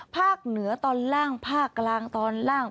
ภาคเหนือตอนล่างภาคกลางตอนล่าง